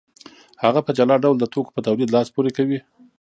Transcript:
هغه په جلا ډول د توکو په تولید لاس پورې کوي